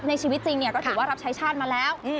ในชีวิตจริงก็ถือว่ารับใช้ชาติมาแล้ว